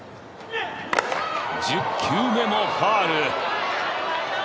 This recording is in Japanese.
１０球目もファウル。